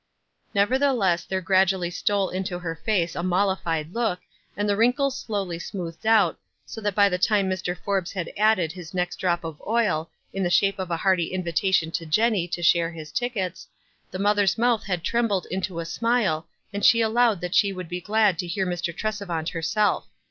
Nevertheless there gradually stole into her "WISE AND OTHERWISE. 95 face a mollified look, and the wrinkles slowly smoothed out, so that by the time Mr. Forbes had added his next drop of oil, in the shape of a hearty invitation to Jenny to share his tickets, ihe mother's month had trembled into a smile, and she allowed that she would be glad to hear Mr. Tresevant herself.